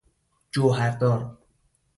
جوهردار